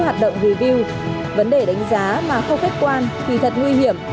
hoạt động review vấn đề đánh giá mà không khách quan thì thật nguy hiểm